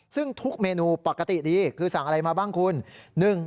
ซึ่งทุกเมนูปกติดีคือสั่งอะไรมาบ้างคุณ